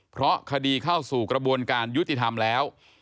เพราะคดีเข้าสู่กระบวนการยุติธรรมแล้ว